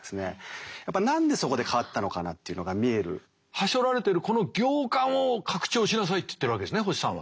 はしょられてるこの行間を拡張しなさいって言ってるわけですね星さんは。